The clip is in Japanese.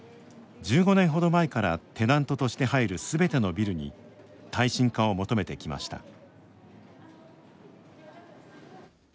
１５年ほど前からテナントとして入るすべてのビルに耐震化を求めてきました。